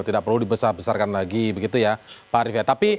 tidak perlu dibesarkan lagi begitu ya pak arief ya